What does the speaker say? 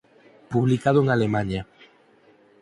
Publicado en Alemaña.